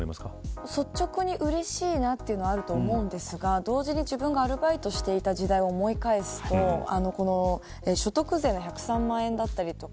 率直にうれしいなというのはあると思うんですが同時に自分がアルバイトしていた時代を思い返すと所得税が１０３万円だったりとか